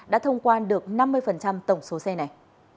đã thông quan được năm mươi tổng số xe này